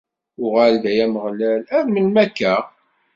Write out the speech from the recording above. Uɣal-d, ay Ameɣlal! Ar melmi akka?